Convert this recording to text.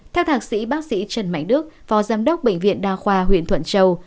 theo thạc sĩ bác sĩ trần mạnh đức phó giám đốc bệnh viện đa khoa huyện thuận châu